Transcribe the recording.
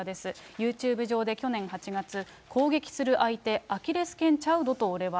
ユーチューブ上で去年８月、攻撃する相手、アキレスけんちゃうどと、俺は。